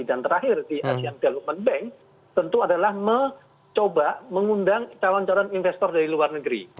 terakhir di asean development bank tentu adalah mencoba mengundang calon calon investor dari luar negeri